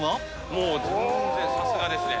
もう全然さすがですね。